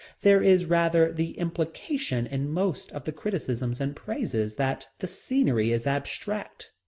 There is rather the implication in most of the criticisms and praises that the scenery is abstract.